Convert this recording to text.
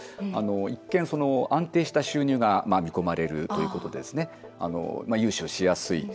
一見、安定した収入が見込まれるということで、融資をしやすい。